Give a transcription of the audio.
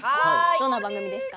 どんな番組ですか？